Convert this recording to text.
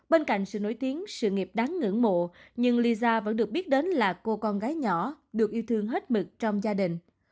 bên cạnh sự nổi tiếng sự nghiệp đáng ngưỡng mộ nhưng lisa vẫn được biết đến là cô con gái nhỏ được yêu thương hết mực trong gia đình